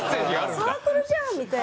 サークルじゃんみたいな。